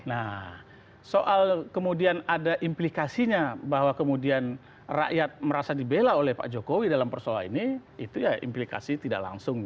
nah soal kemudian ada implikasinya bahwa kemudian rakyat merasa dibela oleh pak jokowi dalam persoalan ini itu ya implikasi tidak langsung